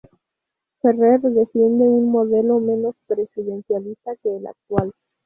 Ferrer defiende un modelo menos presidencialista que el actual.